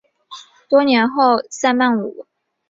多年后萨鲁曼找到了第一块伊兰迪米尔。